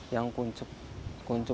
yang kuncup putih ya